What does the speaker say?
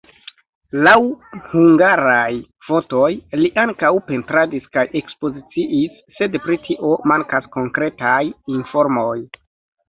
Laŭ hungaraj fontoj li ankaŭ pentradis kaj ekspoziciis, sed pri tio mankas konkretaj informoj.